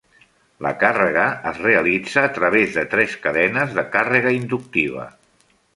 La càrrega es realitza a través de tres cadenes de càrrega inductiva.